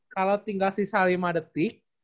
kalau tinggal sisa lima detik